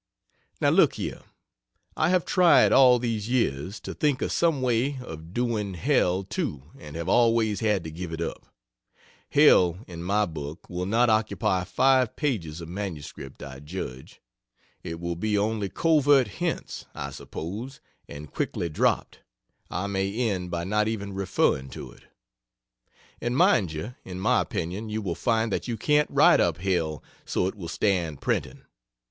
Now look here I have tried, all these years, to think of some way of "doing" hell too and have always had to give it up. Hell, in my book, will not occupy five pages of MS I judge it will be only covert hints, I suppose, and quickly dropped, I may end by not even referring to it. And mind you, in my opinion you will find that you can't write up hell so it will stand printing.